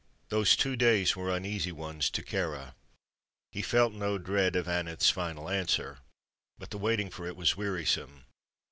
Those two days were uneasy ones to Kāra. He felt no dread of Aneth's final answer, but the waiting for it was wearisome.